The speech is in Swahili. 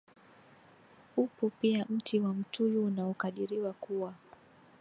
Upo pia mti wa mtuyu unaokadiriwa kuwa